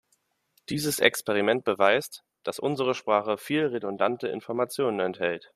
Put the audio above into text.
Dieses Experiment beweist, dass unsere Sprache viel redundante Information enthält.